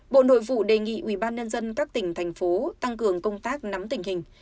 bộ nội vụ đề nghị ubnd các tỉnh thành phố tăng cường công tác nắm tình hình